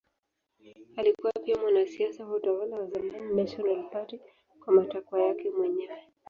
Alikuwa pia mwanasiasa wa utawala wa zamani National Party kwa matakwa yake mwenyewe.